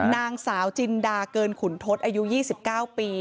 นางสาวจินดาเกินขุนทศอายุ๒๙ปี